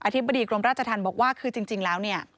อธิบดีกรมราชทันบอกว่าคือจริงแล้ว